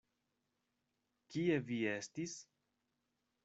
Kie vi estis?